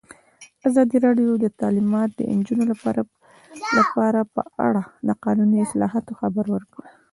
ازادي راډیو د تعلیمات د نجونو لپاره په اړه د قانوني اصلاحاتو خبر ورکړی.